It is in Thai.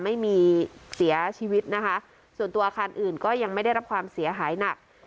ไม่มีเสียชีวิตนะคะส่วนตัวอาคารอื่นก็ยังไม่ได้รับความเสียหายหนัก